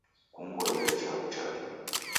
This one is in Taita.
Kumw'onyere chaghu chake.